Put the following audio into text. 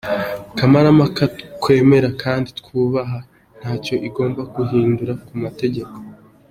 Kamarampaka, twemera kandi twubaha ntacyo igomba guhindura ku mategeko.